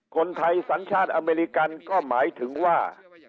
คนไทยสัญชาติอเมริกันก็หมายถึงว่า